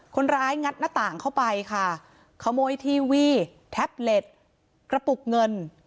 งัดหน้าต่างเข้าไปค่ะขโมยทีวีแท็บเล็ตกระปุกเงิน